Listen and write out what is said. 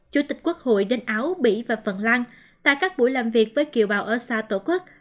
chủ tịch quốc hội đến áo bỉ và phần lan tại các buổi làm việc với kiều bào ở xa tổ quốc